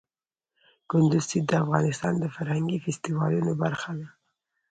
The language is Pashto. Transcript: کندز سیند د افغانستان د فرهنګي فستیوالونو برخه ده.